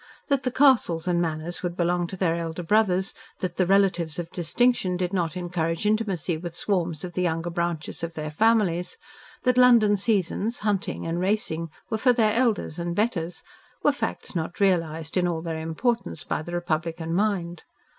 That the castles and manors would belong to their elder brothers, that the relatives of distinction did not encourage intimacy with swarms of the younger branches of their families; that London seasons, hunting, and racing were for their elders and betters, were facts not realised in all their importance by the republican mind.